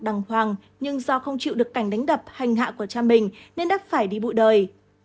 đàng hoàng nhưng do không chịu được cảnh đánh đập hành hạ của cha mình nên đã phải đi bụi đời